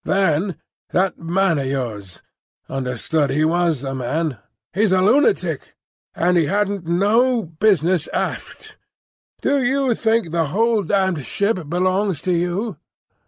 Then, that man of yours—understood he was a man. He's a lunatic; and he hadn't no business aft. Do you think the whole damned ship belongs to you?"